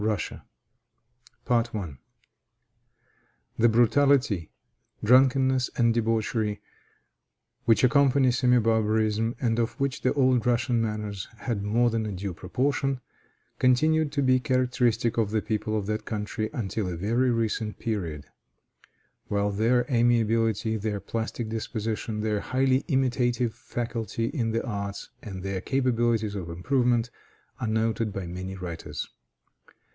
Illegitimacy. The brutality, drunkenness, and debauchery which accompany semi barbarism, and of which the old Russian manners had more than a due proportion, continued to be characteristic of the people of that country until a very recent period; while their amiability, their plastic disposition, their highly imitative faculty in the arts, and their capabilities of improvement, are noted by many writers.